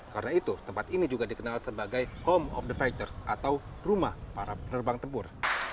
karena itu tempat ini juga dikenal sebagai home of the fighters atau rumah para penerbang tempur